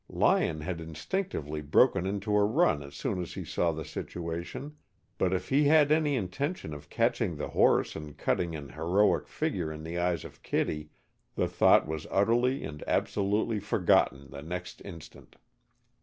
Lyon had instinctively broken into a run as soon as he saw the situation, but if he had any intention of catching the horse and cutting an heroic figure in the eyes of Kittie, the thought was utterly and absolutely forgotten the next instant.